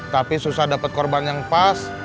tapi susah dapat korban yang pas